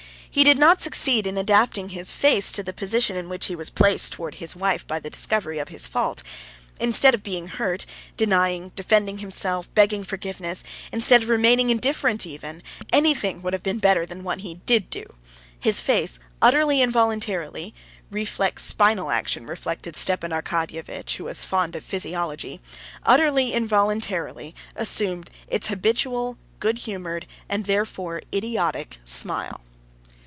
He did not succeed in adapting his face to the position in which he was placed towards his wife by the discovery of his fault. Instead of being hurt, denying, defending himself, begging forgiveness, instead of remaining indifferent even—anything would have been better than what he did do—his face utterly involuntarily (reflex spinal action, reflected Stepan Arkadyevitch, who was fond of physiology)—utterly involuntarily assumed its habitual, good humored, and therefore idiotic smile.